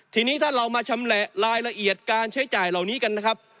ทีนี้ถ้าเรามาชำแหละรายละเอียดการใช้จ่ายเหล่านี้กันนะครับ